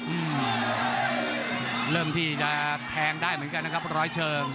อืมเริ่มที่จะแทงได้เหมือนกันนะครับร้อยเชิง